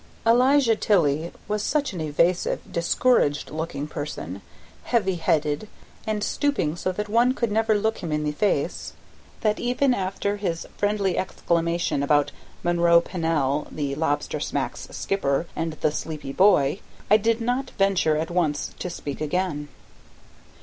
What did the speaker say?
Elijah Tilley was such an evasive, discouraged looking person, heavy headed, and stooping so that one could never look him in the face, that even after his friendly exclamation about Monroe Pennell, the lobster smack's skipper, and the sleepy boy, I did not venture at once to speak again.